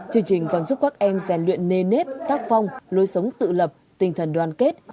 chương trình còn giúp các em rèn luyện nề nếp tác phong lối sống tự lập tinh thần đoàn kết